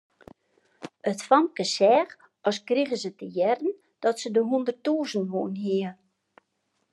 It famke seach as krige se te hearren dat se de hûnderttûzen wûn hie.